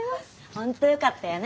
本当よかったよね。